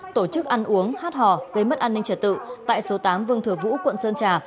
tổ chức ăn uống hát hò gây mất an ninh trật tự tại số tám vương thừa vũ quận sơn trà